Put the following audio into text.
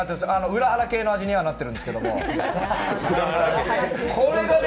裏原系の味にはなってるんですけどもこれがで